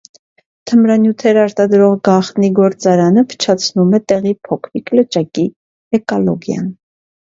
Թմրանյութեր արտադրող գաղտնի գործարանը փչացնում է տեղի փոքրիկ լճակի էկալոգիան։